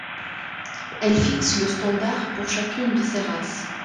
Elle fixe le standard pour chacune de ces races.